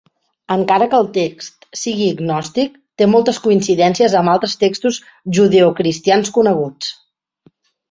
Encara que el text sigui gnòstic, té moltes coincidències amb altres textos judeocristians coneguts.